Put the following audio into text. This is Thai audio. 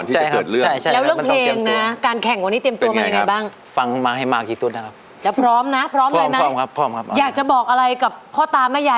ใจมากชนะแพ้ไม่เจอปัญหา